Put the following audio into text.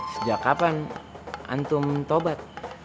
sejak kapan antum tobat